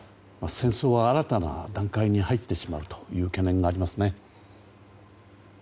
戦争は新たな段階に入ってしまうという懸念があります。